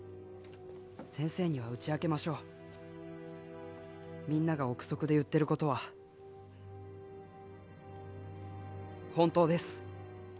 先生には打ち明けましょうみんなが臆測で言ってることは本当です